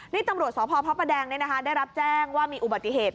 นี่ตำรวจสพพระประแดงได้รับแจ้งว่ามีอุบัติเหตุ